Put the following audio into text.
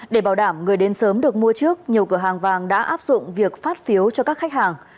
để bảo đảm người đến sớm được mua trước nhiều cửa hàng vàng đã áp dụng việc phát phiếu cho các khách hàng